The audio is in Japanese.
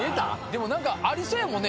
でも何かありそうやもんね